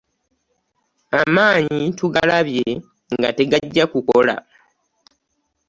Amaanyi tugalabye nga tegajja kukola.